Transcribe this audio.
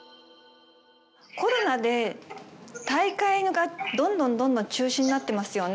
コロナで、大会がどんどんどんどん中止になってますよね。